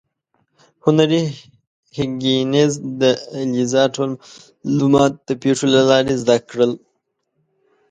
هنري هیګینز د الیزا ټول معلومات د پیښو له لارې زده کړل.